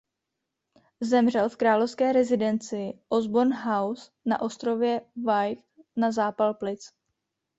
Zemřel v královské rezidenci Osborne House na ostrově Wight na zápal plic.